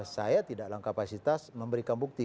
saya tidak dalam kapasitas memberikan bukti